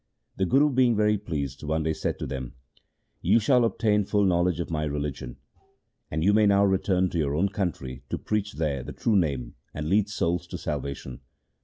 The Guru, being very pleased, one day said to them, ' You have obtained full knowledge of my religion, and you may now return to your own country to preach there the true Name and lead souls to salvation.'